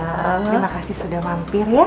terima kasih sudah mampir